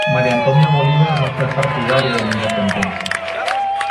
María Antonia Bolívar no fue partidaria de la Independencia.